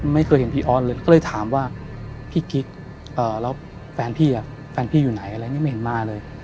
ไม่เคยเห็นพี่ออสเลยก็เลยถามว่าพี่กิ๊กแล้วแฟนพี่แฟนพี่อยู่ไหนอะไรอย่างนี้ไม่เห็นมาเลย